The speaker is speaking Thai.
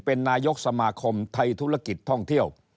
เป็นนายกสมาคมไทยธุรกิจท่องเที่ยว